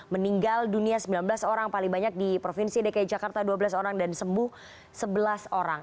meninggal dunia sembilan belas orang paling banyak di provinsi dki jakarta dua belas orang dan sembuh sebelas orang